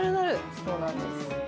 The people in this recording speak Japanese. そうなんです。